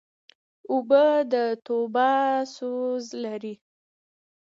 اوبه د توبه سوز لري.